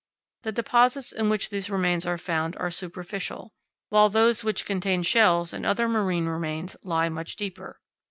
The deposits in which these remains are found are superficial, while those which contain shells and other marine remains lie much deeper.